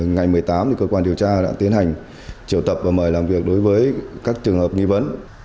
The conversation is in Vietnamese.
ngày một mươi tám cơ quan điều tra đã tiến hành triệu tập và mời làm việc đối với các trường hợp nghi vấn